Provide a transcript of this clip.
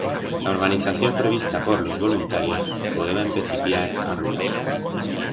La organización prevista por los voluntarios podeba empecipiar a rular.